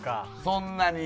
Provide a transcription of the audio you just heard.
そんなに。